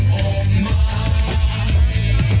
กลับไปรับไป